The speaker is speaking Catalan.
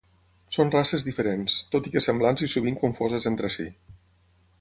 Són races diferents, tot i que semblants i sovint confoses entre si.